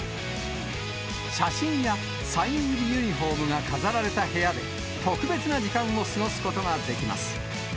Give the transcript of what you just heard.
写真やサイン入りユニホームが飾られた部屋で、特別な時間を過ごすことができます。